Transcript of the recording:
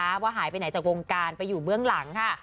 ว่าหายไปไหนจากวงการไปอยู่เบื้องหลังค่ะ